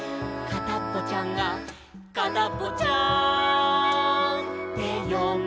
「かたっぽちゃんとかたっぽちゃん